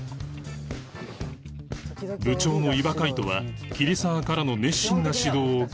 部長の伊庭海斗は桐沢からの熱心な指導を期待していた